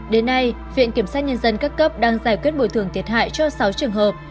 đến nay viện kiểm sát nhân dân các cấp đang giải quyết bồi thường thiệt hại cho sáu trường hợp